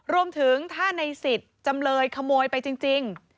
รวมถึงถ้าในสิทธิ์จำเลยขโมยไปจริง